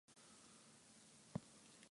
跳ね返してジョージアのグリガラシビリ決勝進出！